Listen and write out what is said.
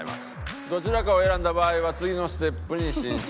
どちらかを選んだ場合は次のステップに進出。